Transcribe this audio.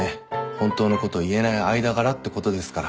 本当のこと言えない間柄ってことですから。